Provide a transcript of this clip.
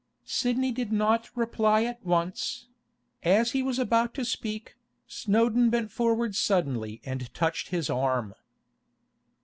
Sidney did not reply at once; as he was about to speak, Snowdon bent forward suddenly and touched his arm.